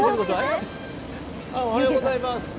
おはようございます。